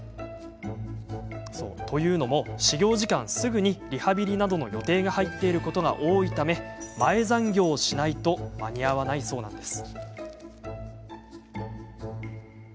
というのも、始業時間すぐにリハビリなどの予定が入っていることが多いため前残業をしないと間に合わないそうなんです。